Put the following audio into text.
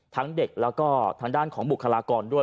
เด็กแล้วก็ทางด้านของบุคลากรด้วย